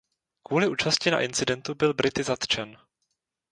Kvůli účasti na incidentu byl Brity zatčen.